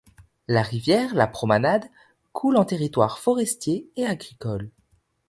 La rivière Lapromanade coule en territoire forestier et agricole.